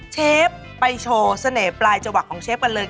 เชฟไปโชว์เสน่ห์ปลายจวักของเชฟกันเลย